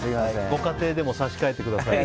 ご家庭でも差し替えてください。